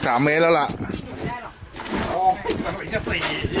อยากให้จับในน้ำ